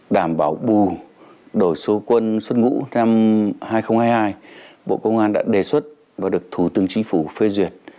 đảm bảo bù số quân xuất ngũ năm hai nghìn hai mươi hai bộ công an đã đề xuất và được thủ tướng chính phủ phê duyệt